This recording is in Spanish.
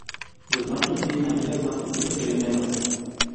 Los machos tienen antenas más tupidas que las hembras.